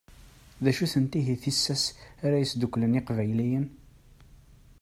D acu-tent ihi tissas ara yesdukklen Iqbayliyen?